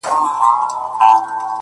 • ما دي ویلي کله قبر نایاب راکه؛